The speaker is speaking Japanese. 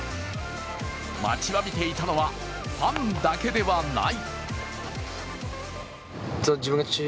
待ちわびていたのはファンだけではない。